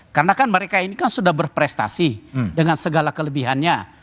karena kan mereka ini kan sudah berprestasi dengan segala kelebihannya